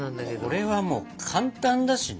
これはもう簡単だしね。